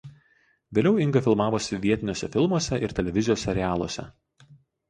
Vėliau Inga filmavosi vietiniuose filmuose ir televizijos serialuose.